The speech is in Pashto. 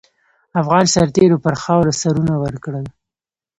افغان سرتېرو پر خاوره سرونه ورکړل.